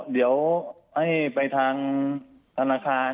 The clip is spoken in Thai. เดี๋ยวให้ไปทางธนาคาร